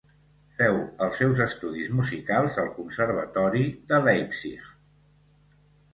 Feu els seus estudis musicals al Conservatori de Leipzig.